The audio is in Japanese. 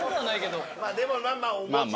まあでもまあまあ。